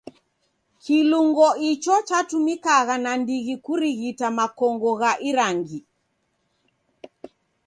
Kilungo icho chatumikagha nandighi kurighita makongo gha irangi.